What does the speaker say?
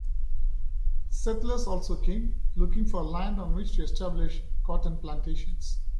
Settlers also came, looking for land on which to establish cotton plantations.